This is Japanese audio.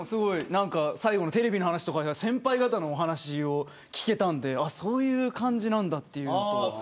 最後のテレビの話とか先輩方のお話を聞けたのでそういう感じなんだというのが。